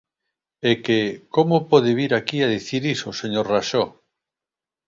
É que ¿como pode vir aquí dicir iso, señor Raxó?